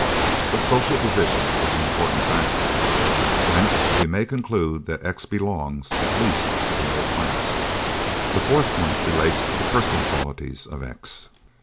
But social position is an important factor, whence we may conclude that X belongs, at least, to the middle class. "The fourth point relates to the personal qualities of X.